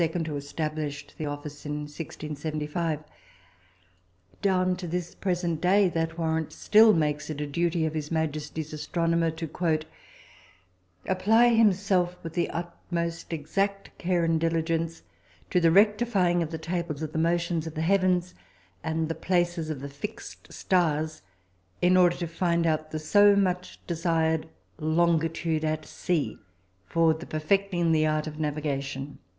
who established the office in 1675. Down to this present day that warrant still makes it the duty of His Majesty's Astronomer "to apply himself with the most exact care and diligence to the rectifying of the tables of the motions of the heavens and the places of the fixed stars, in order to find out the so much desired longitude at sea, for the perfecting the art of navigation."